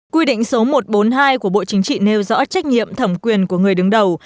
quy định số một trăm bốn mươi hai của bộ chính trị nêu rõ trách nhiệm thẩm quyền của người đứng đầu